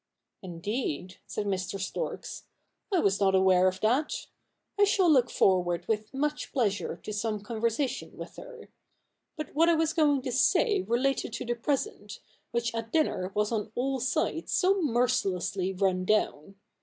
' Indeed ?' said Mr. Storks ;* I was not aware of that. I shall look forward with much pleasure to some con versation with her. But what I was going to say related to the present, which at dinner was on all sides so merci lessly run down.